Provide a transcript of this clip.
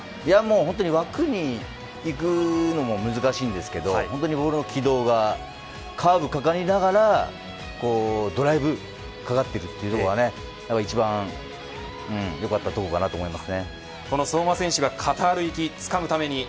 このキックの良さは枠にいくのが難しいんですけどボールの軌道がカーブがかかりながらドライブがかかっていくというのが一番よかったところだと思います。